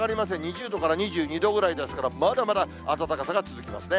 ２０度から２２度ぐらいですから、まだまだ暖かさ続きますね。